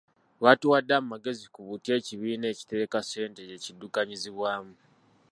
Baatuwadde amagezi ku butya ekibiina ekitereka ssente gye kiddukanyizibwamu.